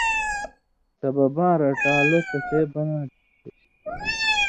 سبباں رٹان٘لو تسے بناں تھہ چے